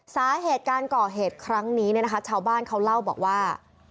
สาเหตุการก่อเหตุครั้งนี้เนี่ยนะคะชาวบ้านเขาเล่าบอกว่า